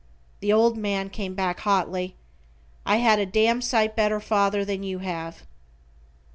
The old man came back hotly: "I had a damn sight better father than you have."